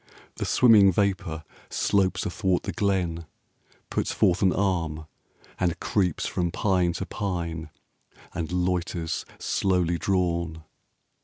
The swimming vapour slopes athwart the glen, Puts forth an arm, and creeps from pine to pine, And loiters, slowly drawn.